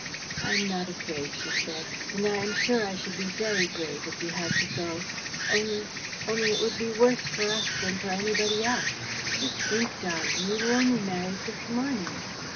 "I am not afraid," she said, "and I am sure that I should be very brave if you had to go. Only ... only it would be worse for us than for anybody else. Just think, darling: we were only married this morning!"